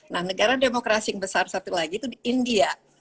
nah negara demokrasi yang besar satu lagi itu di india